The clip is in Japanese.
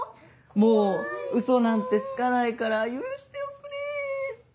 「もうウソなんてつかないから許しておくれ。